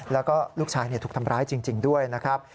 แล้วก็ลูกชายถูกทำร้ายจริงด้วยนะครับ